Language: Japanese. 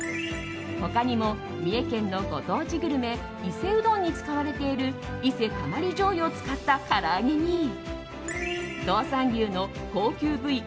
他にも、三重県のご当地グルメ伊勢うどんに使われている伊勢たまりじょうゆを使ったから揚げに道産牛の高級部位